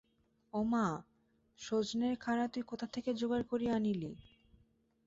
ওমা, শজনের খাড়া তুই কোথা হইতে জোগাড় করিয়া আনিলি?